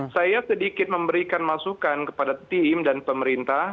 saya sedikit memberikan masukan kepada tim dan pemerintah